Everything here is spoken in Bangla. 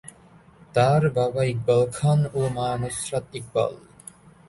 তার বাবা ইকবাল খান ও মা নুসরাত ইকবাল।